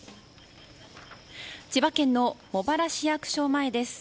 千葉県の茂原市役所前です。